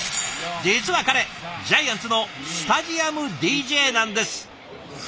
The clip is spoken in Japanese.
実は彼ジャイアンツのスタジアムＤＪなんです。